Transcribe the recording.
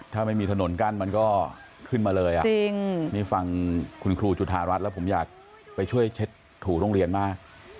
ถ้าไม่มีถนนกั้นมันก็ขึ้นมาเลยอ่ะจริงนี่ฟังคุณครูจุธารัฐแล้วผมอยากไปช่วยเช็ดถูโรงเรียนมาก